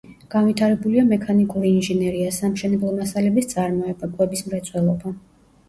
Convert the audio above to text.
განვითარებულია მექანიკური ინჟინერია, სამშენებლო მასალების წარმოება, კვების მრეწველობა.